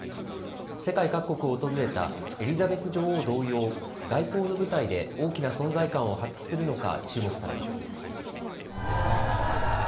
世界各国を訪れたエリザベス女王同様、外交の舞台で大きな存在感を発揮するのか注目されます。